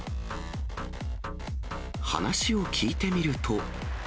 話を聞いてみると。